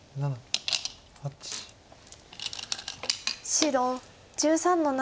白１３の七。